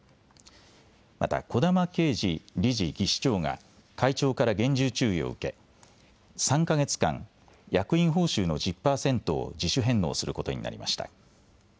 また児玉圭司理事・技師長が会長から厳重注意を受け３か月間、役員報酬の１０％を自主返納することになりました。